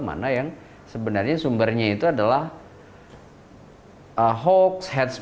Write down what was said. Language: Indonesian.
mana yang sebenarnya sumbernya itu adalah hoax